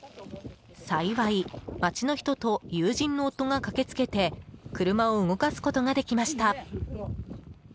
幸い、町の人と友人の夫が駆けつけて車を動かすことができました。